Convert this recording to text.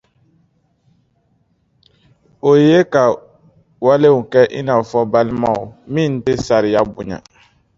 O ye ka wale kɛ i n’a fɔ Balma, min tɛ sariya bonya.